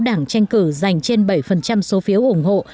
đảng tranh cử dành trên bảy số phiếu ủng hộ